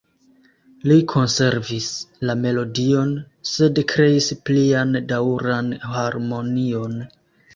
Li konservis la melodion, sed kreis plian daŭran harmonion.